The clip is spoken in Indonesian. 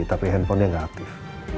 tapi handphone nya gak aktif